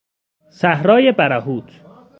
صحرای برهوت